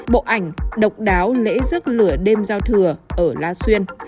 bộ ảnh độc đáo lễ rước lửa đêm giao thừa ở la xuyên